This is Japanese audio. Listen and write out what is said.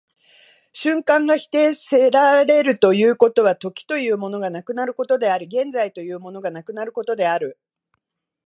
瞬間が否定せられるということは、時というものがなくなることであり、現在というものがなくなることである。